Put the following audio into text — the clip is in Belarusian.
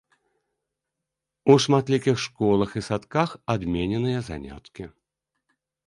У шматлікіх школах і садках адмененыя заняткі.